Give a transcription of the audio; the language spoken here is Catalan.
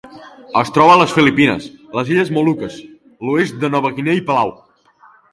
Es troba a les Filipines, les Illes Moluques, l'oest de Nova Guinea i Palau.